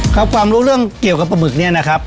ความรู้เรื่องเกี่ยวกับปลาหมึกเนี่ยนะครับ